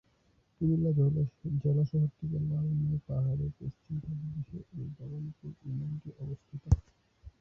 কুমিল্লা জেলা শহর থেকে লালমাই পাহাড়ের পশ্চিম পাদদেশে এই ভবানীপুর ইউনিয়নটি অবস্থিত।